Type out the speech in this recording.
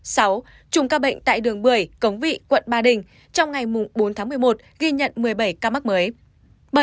sáu trùm ca bệnh tại đường một mươi cống vị quận ba đình trong ngày bốn tháng một mươi một ghi nhận một mươi bảy ca mắc mới